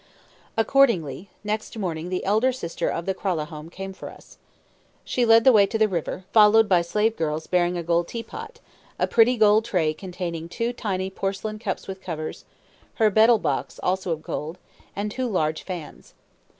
Accordingly, next morning, the elder sister of the Kralahome came for us. She led the way to the river, followed by slave girls bearing a gold teapot, a pretty gold tray containing two tiny porcelain cups with covers, her betel box, also of gold, and two large fans.